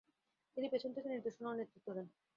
তিনি পেছন থেকে নির্দেশনা ও নেতৃত্ব দেন।